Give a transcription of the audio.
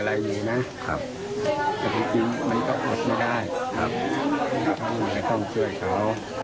แต่จริงไม่ก็ปลดไม่ได้ไม่ก็ต้องช่วยเขา